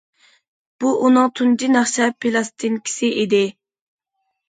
بۇ ئۇنىڭ تۇنجى ناخشا پىلاستىنكىسى ئىدى.